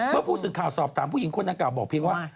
เมื่อผู้สื่อข่าวสอบถามผู้หญิงคนดังกล่าบอกเพียงว่า